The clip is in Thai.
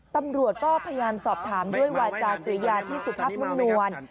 ตำรวจก็พยายามสอบถามด้วยวาจารย์กิโยชน์ที่สูบภัยมือน